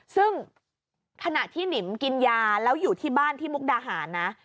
ซึ่งขณะที่หนิมกินยาแล้วอยู่ที่บ้านที่มุกดาหารนะ